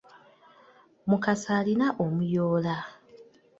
Mukasa alina omuyoola.